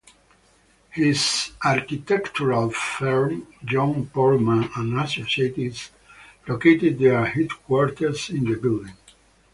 His architectural firm, John Portman and Associates, located their headquarters in the building.